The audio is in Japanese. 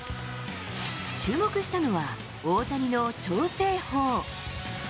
注目したのは、大谷の調整法。